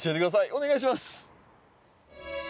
お願いします。